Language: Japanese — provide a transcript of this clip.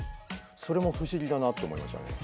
それも不思議だなと思いましたね。